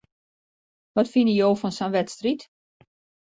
Wat fine jo fan sa'n wedstriid?